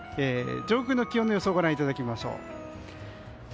上空の気温の予想をご覧いただきましょう。